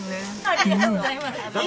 ありがとうございます。